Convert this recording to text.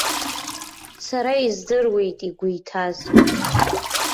Сара издыруеит игәы иҭаз.